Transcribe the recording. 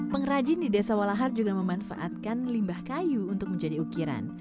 pengrajin di desa walahar juga memanfaatkan limbah kayu untuk menjadi ukiran